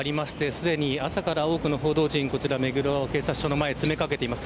すでに朝から多くの報道陣が目黒警察署の前に詰めかけています。